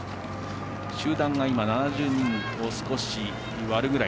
集団が今７０人を少し割るぐらい。